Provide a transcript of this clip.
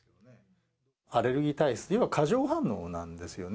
アレルギー体質、要は過剰反応なんですよね。